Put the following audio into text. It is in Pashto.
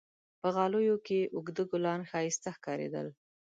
په غالیو کې اوږده ګلان ښایسته ښکارېدل.